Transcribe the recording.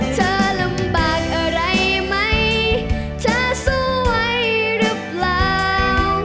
เธอลำบากอะไรไหมเธอสวยหรือเปล่า